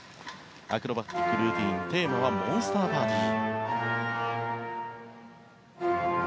アクロバティックルーティンテーマはモンスターパーティー。